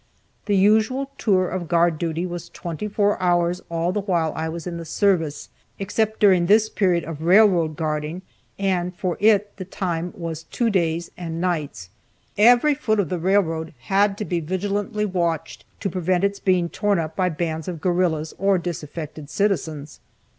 The usual tour of guard duty was twenty four hours all the while I was in the service, except during this period of railroad guarding, and for it the time was two days and nights. Every foot of the railroad had to be vigilantly watched to prevent its being torn up by bands of guerrillas or disaffected citizens.